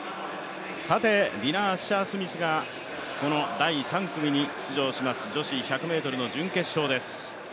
ディナ・アッシャー・スミスがこの第３組に出場します、女子１００ｍの準決勝です。